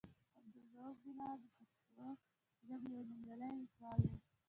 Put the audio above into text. عبدالرؤف بېنوا د پښتو ژبې یو نومیالی لیکوال و.